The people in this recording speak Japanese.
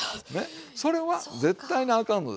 それは絶対にあかんのですよ。